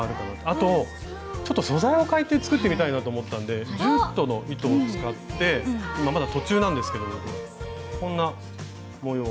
あとちょっと素材をかえて作ってみたいなと思ったんでジュートの糸を使って今まだ途中なんですけどこんな模様。